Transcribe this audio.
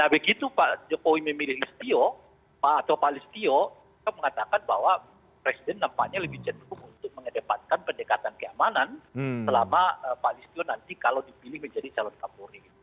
begitu pak jokowi memilih listio pak atau pak listio mengatakan bahwa presiden nampaknya lebih cenderung untuk mengedepankan pendekatan keamanan selama pak listio nanti kalau dipilih menjadi calon kapolri